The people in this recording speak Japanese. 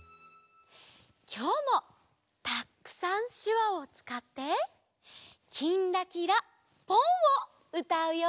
きょうもたくさんしゅわをつかって「きんらきらぽん」をうたうよ！